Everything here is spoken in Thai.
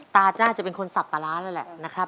จ้าจะเป็นคนสับปลาร้านั่นแหละนะครับ